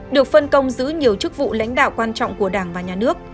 được phân công giữ nhiều chức vụ lãnh đạo quan trọng của đảng và nhà nước